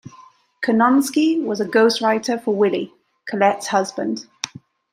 Curnonsky was a ghostwriter for 'Willy', Colette's husband.